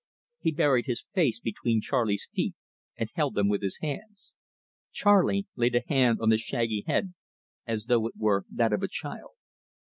He buried his face between Charley's feet, and held them with his hands. Charley laid a hand on the shaggy head as though it were that of a child.